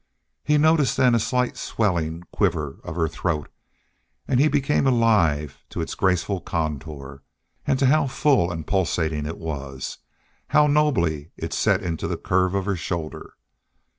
He noticed then a slight swelling quiver of her throat; and he became alive to its graceful contour, and to how full and pulsating it was, how nobly it set into the curve of her shoulder.